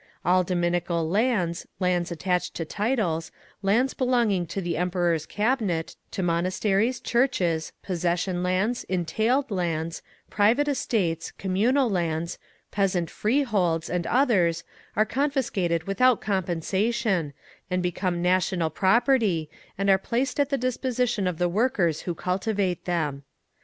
All dominical lands, lands attached to titles, lands belonging to the Emperor's cabinet, to monasteries, churches, possession lands, entailed lands, private estates, communal lands, peasant free holds, and others, are confiscated without compensation, and become national property, and are placed at the disposition of the workers who cultivate them.